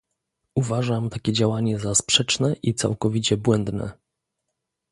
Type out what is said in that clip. Uważam takie działanie za sprzeczne i całkowicie błędne